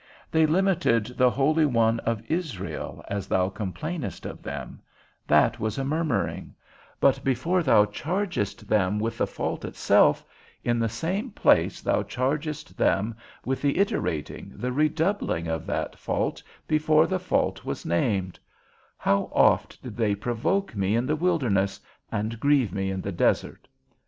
They limited the holy One of Israel, as thou complainest of them: that was a murmuring; but before thou chargest them with the fault itself, in the same place thou chargest them with the iterating, the redoubling of that fault before the fault was named; _How oft did they provoke me in the wilderness, and grieve me in the desert?